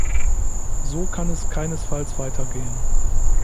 So kann es keinesfalls weitergehen!